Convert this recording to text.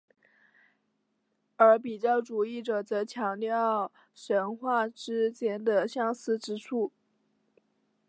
而比较主义者则强调神话之间的相似之处。